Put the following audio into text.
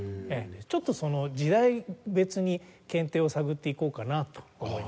ちょっとその時代別に献呈を探っていこうかなと思います。